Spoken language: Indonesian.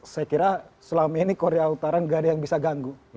saya kira selama ini korea utara tidak ada yang bisa ganggu